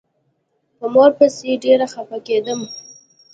په مور پسې ډېر خپه کېدم.